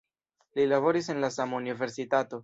Li laboris en la sama universitato.